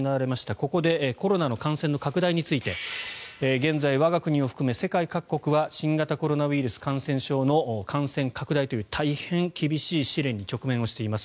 ここでコロナの感染拡大について現在、我が国を含め世界各国は新型コロナウイルス感染症の感染拡大という大変厳しい試練に直面しています。